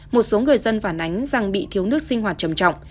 một số người dân phản ánh rằng bị thiếu nước sinh hoạt trầm trọng